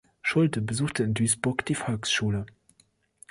Schulte besuchte in Duisburg die Volksschule.